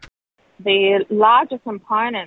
dan itu tidak menurun